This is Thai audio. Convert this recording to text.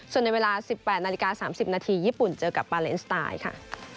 ส่วนในเวลา๑๘นาฬิกา๓๐นาทีญี่ปุ่นเจอกับปาเลนสไตล์ค่ะ